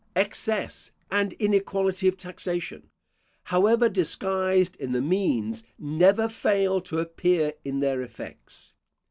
Excess and inequality of taxation, however disguised in the means, never fail to appear in their effects.